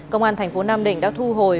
công an thành phố nam định đã thu hồi